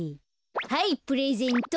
はいプレゼント。